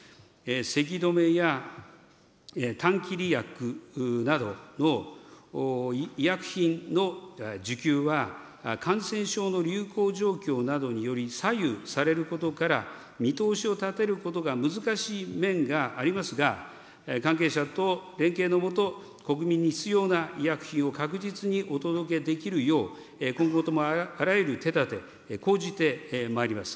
せき止めやたん切り薬などの医薬品の需給は感染症の流行状況などにより、左右されることから、見通しを立てることが難しい面がありますが、関係者と連携のもと、国民に必要な医薬品を確実にお届けできるよう、今後ともあらゆる手立て、講じてまいります。